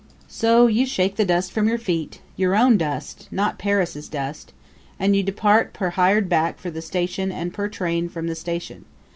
So you shake the dust from your feet your own dust, not Paris' dust and you depart per hired hack for the station and per train from the station.